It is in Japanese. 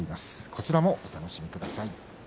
こちらもお楽しみください。